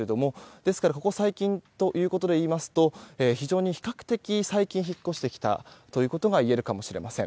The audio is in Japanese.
ですからここ最近ということで言いますと比較的最近引っ越してきたことがいえるかもしれません。